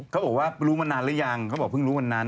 เขาบอกว่ารู้มานานหรือยังเขาบอกเพิ่งรู้วันนั้น